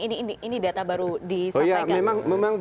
ini data baru disampaikan